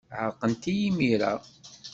Ɛerqent-iyi imir-a.